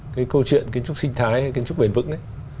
cái câu chuyện kiến trúc sinh thái hay kiến trúc bền vững đấy